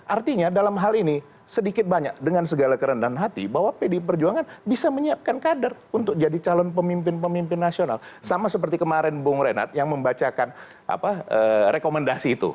artinya dalam hal ini sedikit banyak dengan segala kerendahan hati bahwa pdi perjuangan bisa menyiapkan kader untuk jadi calon pemimpin pemimpin nasional sama seperti kemarin bung renat yang membacakan rekomendasi itu